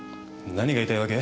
何が言いたいわけ？